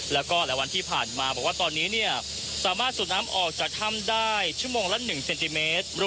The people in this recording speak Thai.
แล้วก็หลายวันที่ผ่านมาบอกว่าตอนนี้เนี่ยสามารถสูบน้ำออกจากถ้ำได้ชั่วโมงละ๑เซนติเมตร